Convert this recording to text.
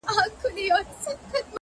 زما پر سهادت ملا ده دا فتواء ورکړې!!